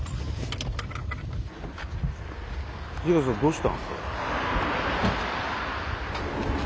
土方さんどうした？